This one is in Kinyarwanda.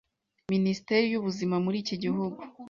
Minisiteri y’Ubuzima muri iki gihugu